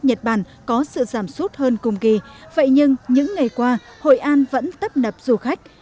nhật bản có sự giảm sút hơn cùng kỳ vậy nhưng những ngày qua hội an vẫn tấp nập du khách